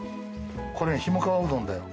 これひもかわうどんだよ。